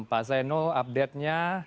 pak zainul update nya